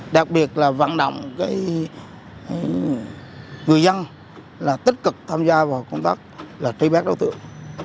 đặc biệt là vận động người dân tích cực tham gia vào công tác trí bác đối tượng